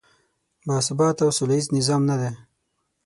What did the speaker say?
باثباته او سولیز نظام نه دی.